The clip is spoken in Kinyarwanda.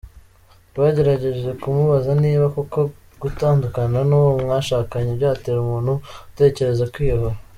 Twagerageje kumubaza niba koko gutandukana n’uwo mwashakanye byatera umuntu gutekereza kwiyahura.